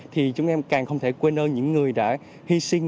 thì chúng em càng không thể quên ơn những người đã hy sinh